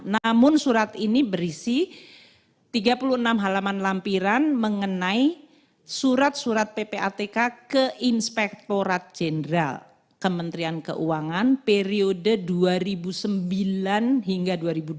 namun surat ini berisi tiga puluh enam halaman lampiran mengenai surat surat ppatk ke inspektorat jenderal kementerian keuangan periode dua ribu sembilan hingga dua ribu dua puluh